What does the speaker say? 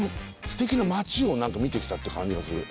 すてきな街を見てきたって感じがする。